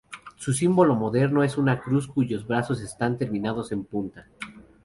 Su símbolo moderno es una cruz cuyos brazos están terminados en punta.